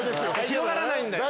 広がらないんだよね。